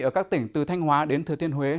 ở các tỉnh từ thanh hóa đến thừa thiên huế